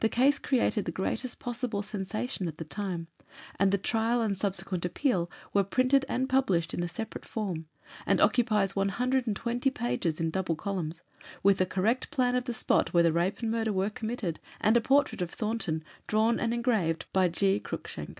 The case created the greatest possible sensation at the time, and the trial and subsequent appeal were printed and published in a separate form, and occupies 120 pages in double columns, "with a correct plan of the spot where the rape and murder were committed, and a portrait of Thornton drawn and engraved by G. Cruikshank."